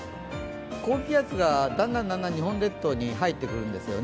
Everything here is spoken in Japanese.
高気圧がだんだん日本列島に入ってくるんですね。